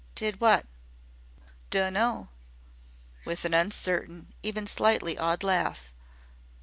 "Did what?" "Dunno," with an uncertain, even slightly awed laugh.